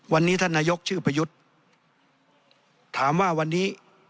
วันนี้ท่านนายกชื่อประยุทธ์ถามว่าวันนี้